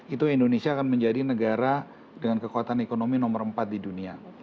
itu indonesia akan menjadi negara dengan kekuatan ekonomi nomor empat di dunia